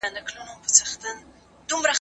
مکناتن د ژوندي نیولو لپاره تیار نه و.